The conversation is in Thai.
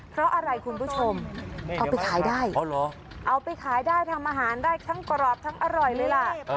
เพราะอะไรคุณผู้ชมเอาไปขายได้เอาไปขายได้ทำอาหารได้ทั้งกรอบทั้งอร่อยเลยล่ะ